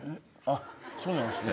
あそうなんですね。